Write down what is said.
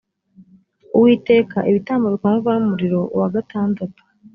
uwiteka ibitambo bikongorwa n umuriro uwa gatandatu